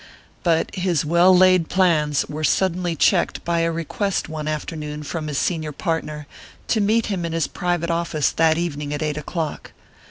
But his well laid plans were suddenly checked by a request one afternoon from his senior partner to meet him in his private office that evening at eight o'clock.